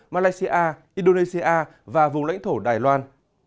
malaysia indonesia và vùng lãnh thổ đài loan